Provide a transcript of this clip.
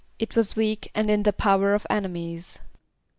=It was weak and in the power of enemies.